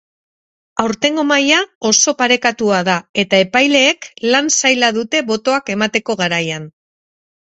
Aurtengo maila oso parekatua da eta epaileek lan zaila dute botoak emateko garaian.